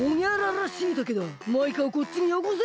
マイカをこっちによこせ！